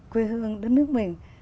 quê hương đất nước mình